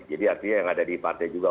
jadi artinya yang ada di partai juga